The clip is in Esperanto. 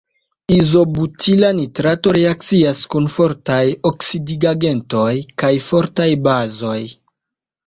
Izobutila nitrato reakcias kun fortaj oksidigagentoj kaj fortaj bazoj.